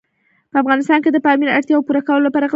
په افغانستان کې د پامیر د اړتیاوو پوره کولو لپاره اقدامات کېږي.